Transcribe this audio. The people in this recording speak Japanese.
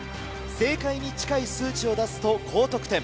正解に近い数値を出すと高得点。